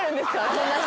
こんな人。